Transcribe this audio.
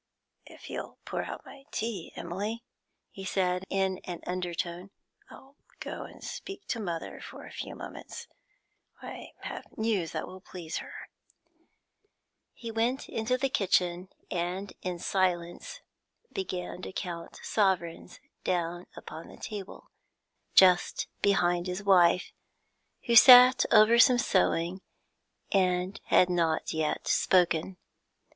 'If you'll pour out my tea, Emily,' he said in an undertone, 'I'll go and speak to mother for a few moments. I have news that will please her.' He went into the kitchen and, in silence, began to count sovereigns down upon the table, just behind his wife, who sat over some sewing and had not yet spoken.